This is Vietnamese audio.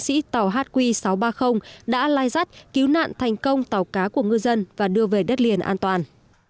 các ngư dân của cán bộ chiến sĩ tàu hq sáu trăm ba mươi đã lai rắt cứu nạn thành công tàu cá của ngư dân và đưa về đất liền an toàn